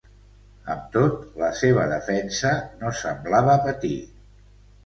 Amb tot, la seva defensa no semblava patir.